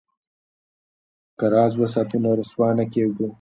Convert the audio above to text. که راز وساتو نو رسوا نه کیږو.